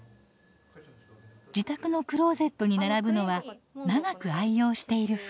自宅のクローゼットに並ぶのは長く愛用している服。